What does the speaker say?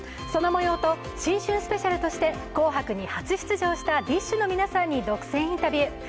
そのもようと新春スペシャルとして「紅白」に初出場したＤＩＳＨ／／の皆さんに独占インタビュー。